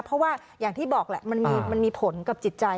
เพราะว่าอย่างที่บอกแหละมันมีผลกับจิตใจ